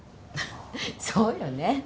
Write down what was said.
そうよね。